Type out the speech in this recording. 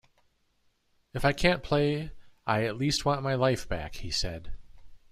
"If I can't play, I at least want my life back", he said.